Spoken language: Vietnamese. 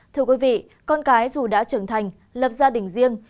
thưa quý vị con cái dù đã trưởng thành lập gia đình riêng